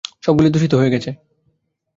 সবগুলো দূষিত হয়ে গেছে!